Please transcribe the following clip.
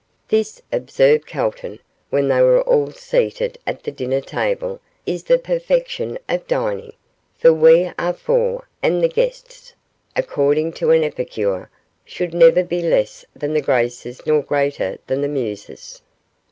'This,' observed Calton, when they were all seated at the dinner table, 'is the perfection of dining; for we are four, and the guests, according to an epicure, should never be less than the Graces nor greater than the Muses.